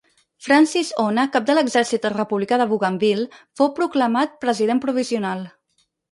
Francis Ona, cap de l'Exèrcit Republicà de Bougainville fou proclamat president provisional.